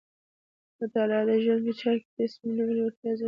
مطالعه د ژوند په چارو کې د تصمیم نیولو وړتیا زیاتوي.